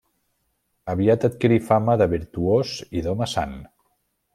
Aviat adquirí fama de virtuós i d'home sant.